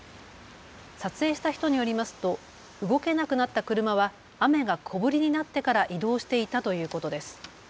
撮影した人によりますと動けなくなった車は雨が小降りになってから移動していたということです。